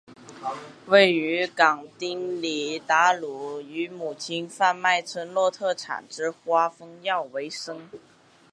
位于港町里达鲁旦特与母亲以贩卖村落特产之花封药为生。